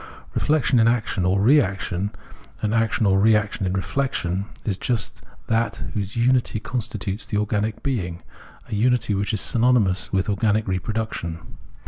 Reflexion in action or reaction, and action or reaction in reflexion, is just that whose unity constitutes the organic being, a unity which is synonymous with organic reproduction.